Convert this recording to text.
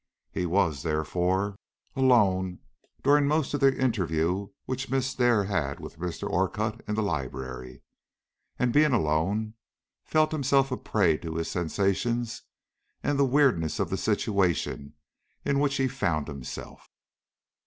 He was, therefore, alone during most of the interview which Miss Dare held with Mr. Orcutt in the library, and, being alone, felt himself a prey to his sensations and the weirdness of the situation in which he found himself.